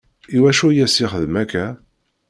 I wacu i as-yexdem akka?